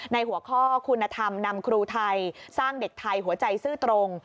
หัวข้อคุณธรรมนำครูไทยสร้างเด็กไทยหัวใจซื่อตรง